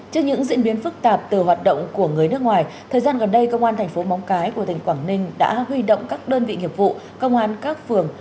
trước những diễn biến phức tạp từ hoạt động của người nước ngoài thời gian gần đây công an thành phố móng cái của tỉnh quảng ninh đã huy động các đơn vị nghiệp vụ công an các phường